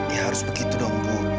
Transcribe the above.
ya harus begitu dong bu